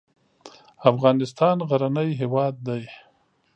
افغانستان غرنی هېواد دی.